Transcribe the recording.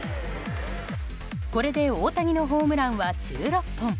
これで大谷のホームランは１６本。